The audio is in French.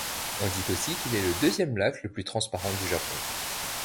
On dit aussi qu'il est le deuxième lac le plus transparent du Japon.